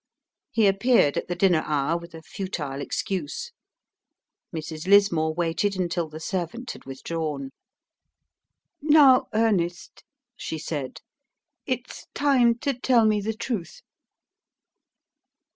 He appeared at the dinner hour with a futile excuse. Mrs. Lismore waited until the servant had withdrawn. "Now, Ernest," she said, "it's time to tell me the truth."